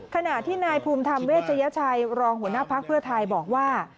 ขณะที่นายภูมิธรรมเวชยชัยรองหัวหน้าพักเพื่อไทยบอกว่า